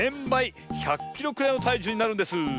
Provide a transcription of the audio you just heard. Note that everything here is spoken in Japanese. １００キロくらいのたいじゅうになるんです。